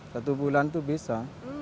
satu bulan itu bisa